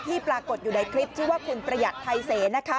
ปรากฏอยู่ในคลิปชื่อว่าคุณประหยัดไทยเสนะคะ